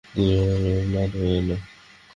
দিনের আলো ম্লান হয়ে এল।